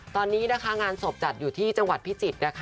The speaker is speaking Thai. ตอนนี้นะคะงานศพจัดอยู่ที่จังหวัดพิจิตรนะคะ